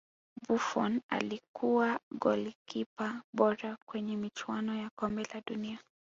buffon alikuwa golikipa bora kwenye michuano ya kombe la dunia